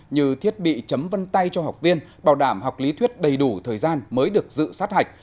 như thiết bị chấm vân tay cho học viên bảo đảm học lý thuyết đầy đủ thời gian mới được dự sát hạch